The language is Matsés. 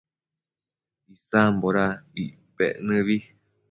Icsamboda icpec nëbi?